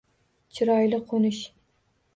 — Chiroyli qo‘nish!